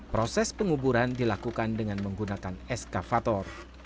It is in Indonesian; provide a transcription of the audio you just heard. proses penguburan dilakukan dengan menggunakan eskavator